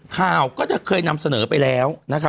ข่าวก็จะเคยนำเสนอไปแล้ว